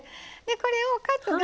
これをカツが